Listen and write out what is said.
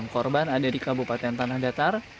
enam korban ada di kabupaten tanah datar